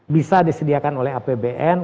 bisa disediakan oleh apbn